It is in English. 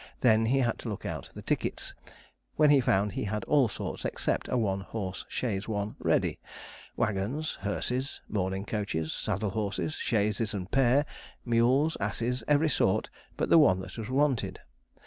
Then he had to look out the tickets, when he found he had all sorts except a one horse chaise one ready waggons, hearses, mourning coaches, saddle horses, chaises and pair, mules, asses, every sort but the one that was wanted.